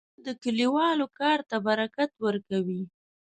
تنور د کلیوالو کار ته برکت ورکوي